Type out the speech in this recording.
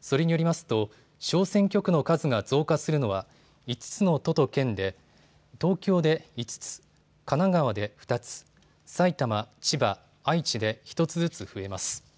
それによりますと小選挙区の数が増加するのは５つの都と県で東京で５つ、神奈川で２つ、埼玉、千葉、愛知で１つずつ増えます。